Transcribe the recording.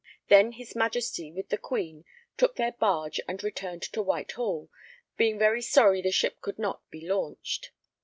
Then his Majesty with the Queen took their barge and returned to Whitehall, being very sorry the ship could not be launched.